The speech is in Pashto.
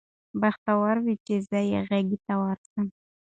بختور وي چي یې زه غیږي ته ورسم